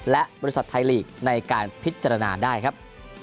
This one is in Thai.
และบริษัทไทยลีกในการพิจารณาได้ครับ